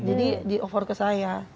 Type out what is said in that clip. jadi di offer ke saya